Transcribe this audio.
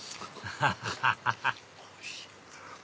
ハハハハハおいしい。